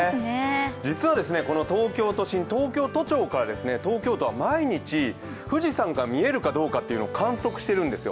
実はこの東京都心、東京都庁から東京都は毎日富士山が見えるかどうかというのを観測しているんですよ。